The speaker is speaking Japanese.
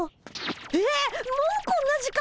えっもうこんな時間！？